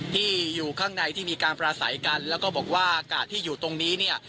ที่อยู่ข้างในที่มีการปราศัยกันแล้วก็บอกว่ากาดที่อยู่ตรงนี้เนี่ย